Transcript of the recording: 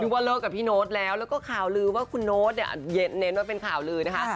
ว่าเลิกกับพี่โน๊ตแล้วแล้วก็ข่าวลือว่าคุณโน๊ตเนี่ยเน้นว่าเป็นข่าวลือนะคะ